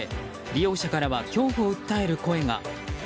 利用者からは恐怖を訴える声が。